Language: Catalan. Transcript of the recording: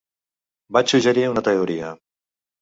Vaig suggerir una teoria.